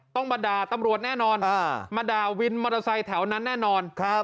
ต้องมาด่าตำรวจแน่นอนมาด่าวินมอเตอร์ไซค์แถวนั้นแน่นอนครับ